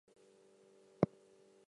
Leach was born in Liverpool.